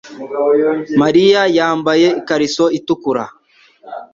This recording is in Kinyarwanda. Mariya yambaye ikariso itukura.